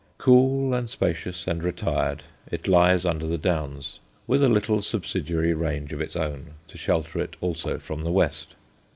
Cool and spacious and retired, it lies under the Downs, with a little subsidiary range of its own to shelter it also from the west.